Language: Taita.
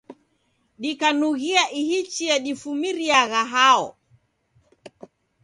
Dikanughia ihi chia difumiriagha hao?